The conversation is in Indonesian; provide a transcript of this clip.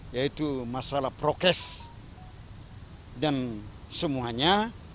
yaitu masalah prokes dan semuanya